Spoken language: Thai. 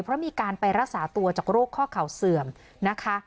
เพราะมีการไปรักษาตัวจากโรคข้อเข่าเสื่อมนะคะ